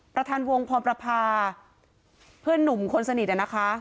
ประธานวงพรประพาเพื่อนหนุ่มคนสนิทนะคะ